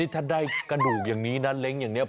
ถ้าได้กระดูกอย่างนี้หนัดเร็งเดียว